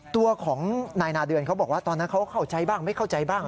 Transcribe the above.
ตัวของนายนาเดือนเขาบอกว่าตอนนั้นเขาเข้าใจบ้างไม่เข้าใจบ้าง